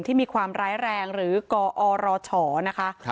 ที่มีความร้ายแรงหรือกอรชนะคะ